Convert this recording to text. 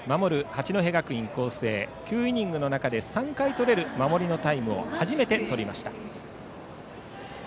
八戸学院光星９イニングの中で３回とれる守りのタイムを初めてとりました。